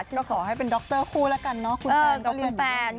ก็ขอให้เป็นดรครูแล้วกันคุณแฟนก็เรียนอยู่ด้วย